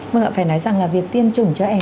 vâng ạ phải nói rằng là việc tiêm chủng cho trẻ